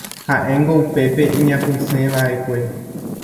ha'éngo upépe iñapysẽva'ekue